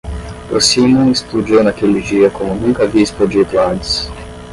O simum explodiu naquele dia como nunca havia explodido antes.